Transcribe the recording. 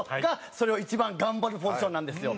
それを一番頑張るポジションなんですよ。